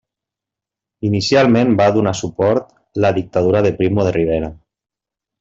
Inicialment va donar suport la dictadura de Primo de Rivera.